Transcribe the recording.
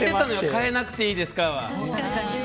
変えなくていいですか？は。